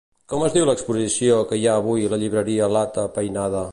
Com es diu l'exposició que hi ha avui la llibreria Lata Peinada?